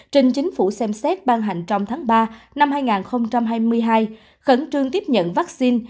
trình chính phủ xem xét ban hành trong tháng ba năm hai nghìn hai mươi hai khẩn trương tiếp nhận vaccine